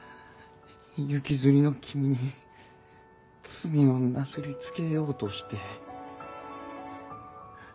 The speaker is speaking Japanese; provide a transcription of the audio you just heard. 行きずりの君に罪をなすり付けようとして。